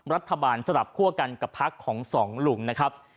รัฐบาลสลับคั่วกันกับพักของสองลุงนะครับ